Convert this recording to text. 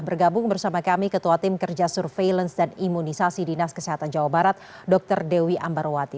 bergabung bersama kami ketua tim kerja surveillance dan imunisasi dinas kesehatan jawa barat dr dewi ambarwati